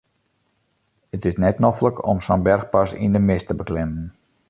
It is net noflik om sa'n berchpas yn de mist te beklimmen.